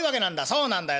「そうなんだよ。